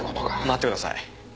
待ってください。